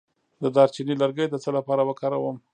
د دارچینی لرګی د څه لپاره وکاروم؟